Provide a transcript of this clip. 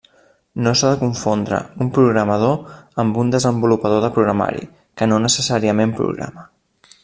No s'ha de confondre un programador amb un desenvolupador de programari, que no necessàriament programa.